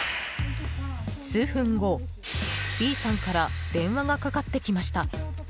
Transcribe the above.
数分後、Ｂさんから電話がかかってきました。